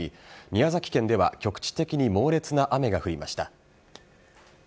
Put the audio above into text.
宮崎県では局地的に猛烈な雨が降りました。